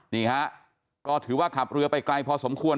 นี่ฮะก็ถือว่าขับเรือไปไกลพอสมควร